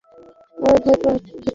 আমার ভয় হচ্ছিল।